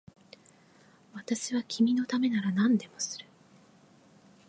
私は君のためなら何でもする